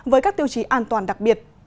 với các tiêu chí an toàn đặc biệt